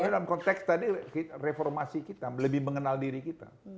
dalam konteks tadi reformasi kita lebih mengenal diri kita